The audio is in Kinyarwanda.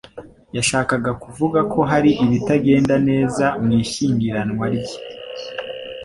Yashakaga kuvuga ko hari ibitagenda neza mu ishyingiranwa rye.